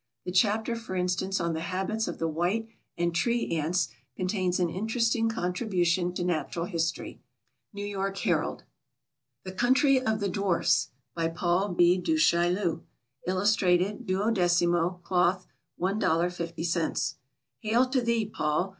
The chapter, for instance, on the habits of the white and tree ants contains an interesting contribution to natural history. N. Y. Herald. The Country of the Dwarfs. By PAUL B. DU CHAILLU. Illustrated. 12mo, Cloth, $1.50. Hail to thee, Paul!